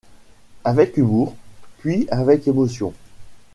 Avec humour, puis avec émotion.